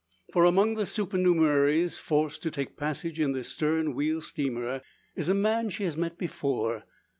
For among the supernumeraries forced to take passage in the stern wheel steamer, is a man she has met before.